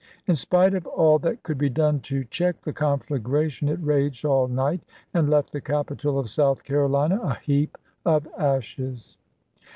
In spite of all that could be done to check the conflagration it raged all night, and left the capital of South Carolina a heap of ashes.